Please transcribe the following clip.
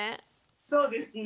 そうですね。